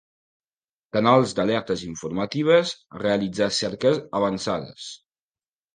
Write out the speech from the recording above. Canals d'alertes informatives, Realitzar cerques avançades.